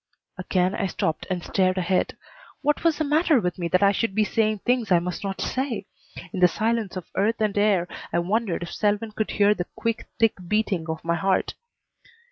Again I stopped and stared ahead. What was the matter with me that I should be saying things I must not say? In the silence of earth and air I wondered if Selwyn could hear the quick, thick beating of my heart.